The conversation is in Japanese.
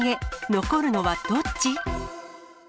残るのはどっち？